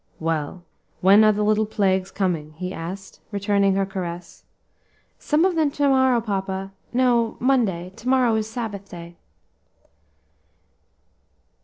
"Well, when are the little plagues coming?" he asked, returning her caress. "Some of them to morrow, papa; no, Monday to morrow is Sabbath day."